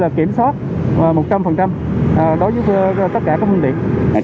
đối với tất cả các phương tiện